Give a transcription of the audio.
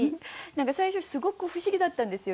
最初すごく不思議だったんですよ。